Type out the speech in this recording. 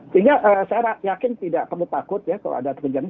sehingga saya yakin tidak perlu takut ya kalau ada terjadi